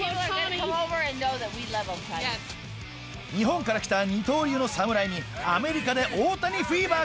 日本から来た二刀流の侍にアメリカで大谷フィーバーが！